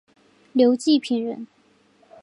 刘季平人。